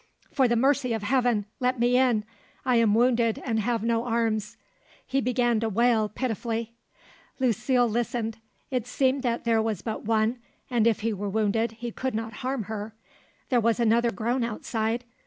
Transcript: "For the mercy of Heaven, let me in! I am wounded and have no arms." He began to wail pitifully. Lucile listened. It seemed that there was but one, and if he were wounded, he would not harm her. There was another groan outside.